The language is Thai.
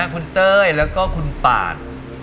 คุณเต้ยแล้วก็คุณปาด